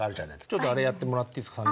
ちょっとあれやってもらっていいですか？